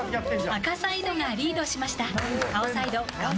赤サイドがリードしました。